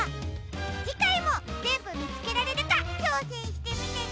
じかいもぜんぶみつけられるかちょうせんしてみてね！